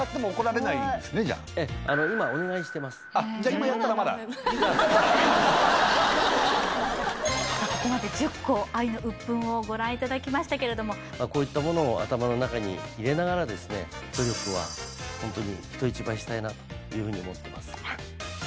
今後ここまで１０個愛のウップンをご覧いただきましたけれどもこういったものを頭の中に入れながらですねというふうに思ってます